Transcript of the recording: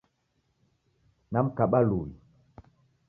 Namkaba luwi